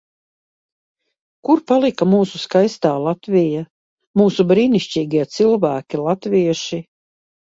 Kur palika mūsu skaistā Latvija, mūsu brīnišķīgie cilvēki latvieši?